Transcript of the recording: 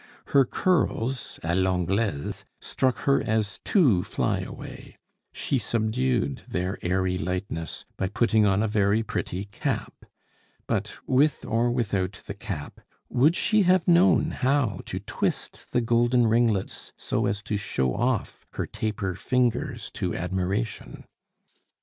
Her curls, a l'Anglaise, struck her as too fly away; she subdued their airy lightness by putting on a very pretty cap; but, with or without the cap, would she have known how to twist the golden ringlets so as to show off her taper fingers to admiration?